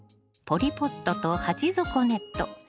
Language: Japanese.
ポリポットと鉢底ネット